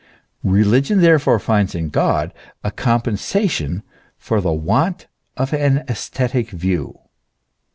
Reli gion therefore finds in God a compensation for the want of an aesthetic view.